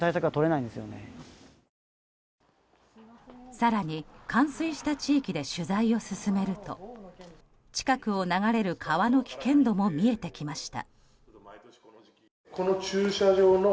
更に、冠水した地域で取材を進めると近くを流れる川の危険度も見えてきました。